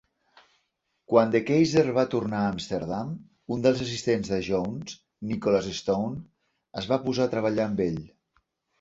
Quan De Keyser va tornar a Amsterdam, un dels assistents de Jones, Nicholas Stone, es va posar a treballar amb ell.